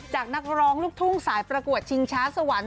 นักร้องลูกทุ่งสายประกวดชิงช้าสวรรค์